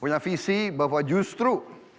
punya visi bahwa justru